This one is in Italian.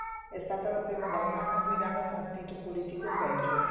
È stata la prima donna a guidare un partito politico in Belgio.